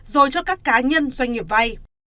rồi cho các cá nhân doanh nghiệp vay